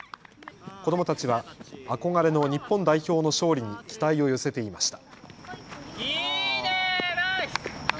子どもたちは憧れの日本代表の勝利に期待を寄せていました。